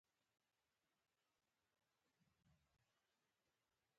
د شواب په نظر دري سوه شل ميليونه ډالر به يو ښه نرخ وي.